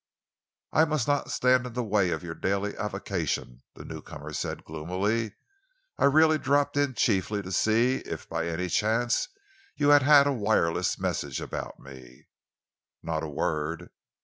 "I must not stand in the way of your daily avocation," the newcomer said gloomily. "I really dropped in chiefly to see if by any chance you had had a wireless message about me." "Not a word."